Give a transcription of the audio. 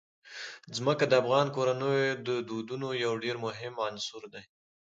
ځمکه د افغان کورنیو د دودونو یو ډېر مهم عنصر دی.